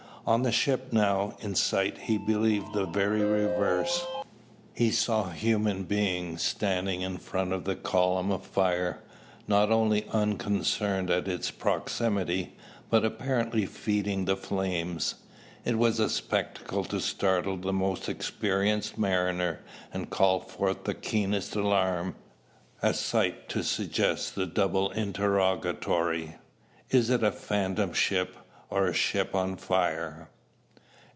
On the ship now in sight he beheld the very reverse. He saw human beings standing in front of the column of fire, not only unconcerned at its proximity, but apparently feeding the flames! It was a spectacle to startle the most experienced mariner, and call forth the keenest alarm, a sight to suggest the double interrogatory, "Is it a phantom ship, or a ship on fire?"